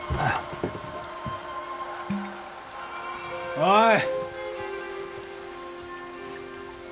おい！